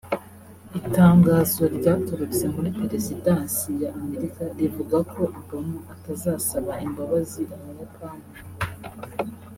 Itangazo ryaturutse muri Perezidansi ya Amerika rivuga ko Obama atazasaba imbabazi Abayapani